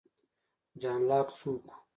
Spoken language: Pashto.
جان لاک څوک و؟